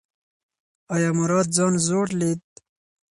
ایا مراد ځان زوړ لید؟